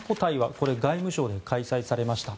これ、外務省で開催されました。